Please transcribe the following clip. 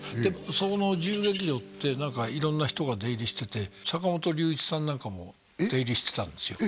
そこの自由劇場って何か色んな人が出入りしててさんなんかも出入りしてたんですよ